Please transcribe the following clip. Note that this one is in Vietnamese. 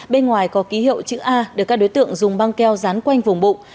bên ngoài có ký hiệu chữ a được các đối tượng dùng băng keo dán quanh vùng bụng